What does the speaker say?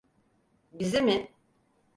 Bizi mi?